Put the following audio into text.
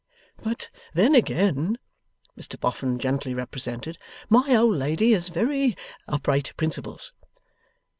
'But then, again,' Mr Boffin gently represented; 'my old lady has very upright principles.